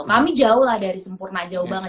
kami jauh lah dari sempurna jauh banget